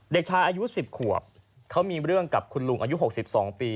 เด็กชายอายุ๑๐ขวบเขามีเรื่องกับคุณลุงอายุ๖๒ปี